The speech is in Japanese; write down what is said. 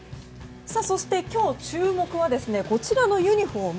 そして今日注目はこちらのユニホーム。